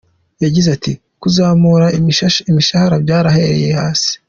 Yagize ati “Kuzamura imishahara byahereye hasi.